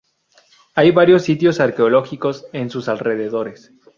Hay varios sitios arqueológicos en sus alrededores.